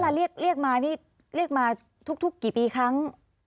แล้วเวลาเรียกมาทุกกี่ปีครั้ง